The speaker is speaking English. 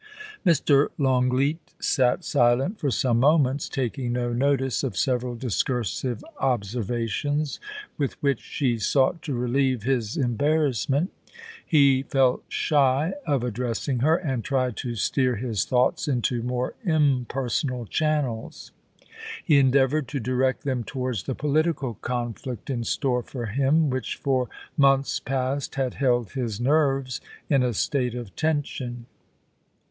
Mr. Longleat sat silent for some moments, taking no notice of several discursive observations with which she sought to relieve his embarrassment He felt shy of addressing her, and tried to steer his thoughts into more impersonal channels. He endeavoured to direct them towards the political con flict in store for him, which for months past had held his nerves in a state of tension.